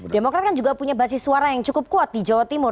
demokrat kan juga punya basis suara yang cukup kuat di jawa timur